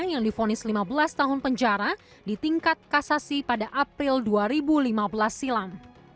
yang difonis lima belas tahun penjara di tingkat kasasi pada april dua ribu lima belas silam